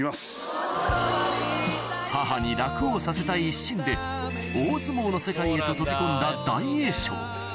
母に楽をさせたい一心で大相撲の世界へと飛び込んだ大栄翔